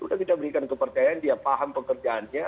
udah kita berikan kepercayaan dia paham pekerjaannya